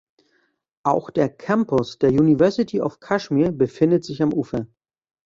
Auch der Campus der University of Kashmir befindet sich am Ufer.